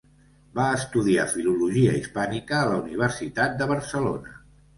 Va estudiar filologia hispànica a la Universitat de Barcelona.